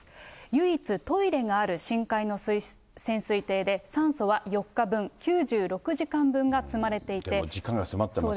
唯一トイレがある深海の潜水艇で、酸素は４日分、でも時間が迫っています。